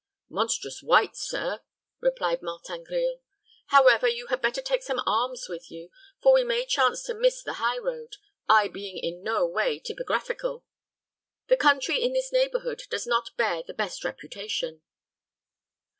"Monstrous white, sir," replied Martin Grille. "However, you had better take some arms with you, for we may chance to miss the high road, I being in no way topographical. The country in this neighborhood does not bear the best reputation."